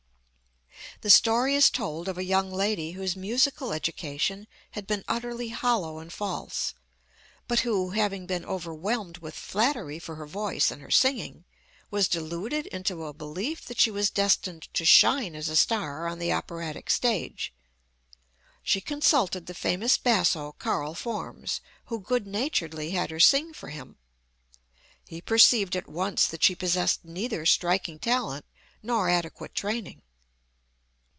The story is told of a young lady whose musical education had been utterly hollow and false, but who, having been overwhelmed with flattery for her voice and her singing, was deluded into a belief that she was destined to shine as a star on the operatic stage. She consulted the famous basso, Karl Formes, who good naturedly had her sing for him. He perceived at once that she possessed neither striking talent nor adequate training.